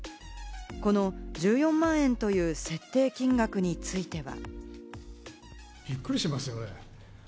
この１４万円という設定金額については。